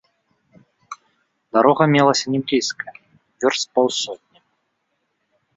Дарога мелася не блізкая, вёрст з паўсотні.